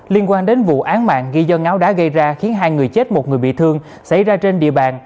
liên quan đến vụ án mạng ghi do ngáo đá gây ra khiến hai người chết một người bị thương xảy ra trên địa bàn